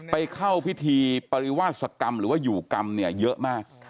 ไปเข้าพิธีปริวาสกรรมหรือว่าอยู่กรรมเนี่ยเยอะมาก